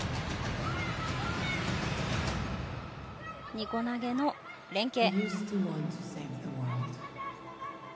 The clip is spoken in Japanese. ２個投げの連係。